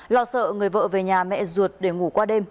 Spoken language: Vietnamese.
lo sợ người vợ về nhà mẹ ruột để ngủ qua đêm